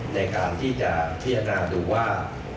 ในการที่จะพิจารณาดูว่า